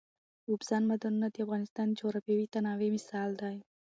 اوبزین معدنونه د افغانستان د جغرافیوي تنوع مثال دی.